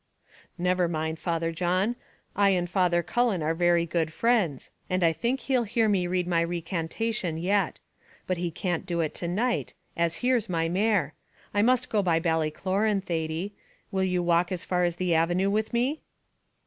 "Never mind, Father John; I and Father Cullen are very good friends, and I think he'll hear me read my recantation yet; but he can't do it to night, as here's my mare. I must go by Ballycloran, Thady; will you walk as far as the avenue with me?"